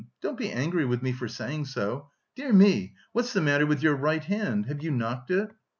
Don't be angry with me for saying so. Dear me, what's the matter with your right hand? Have you knocked it?"